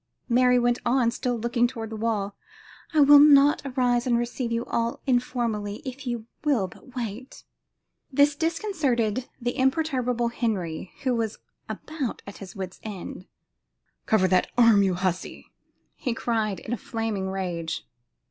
Mary went on, still looking toward the wall: "I will arise and receive you all informally, if you will but wait." This disconcerted the imperturbable Henry, who was about at his wit's end. "Cover that arm, you hussy," he cried in a flaming rage.